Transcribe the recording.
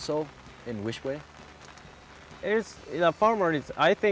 คุณบอกว่าเป็นผู้งาน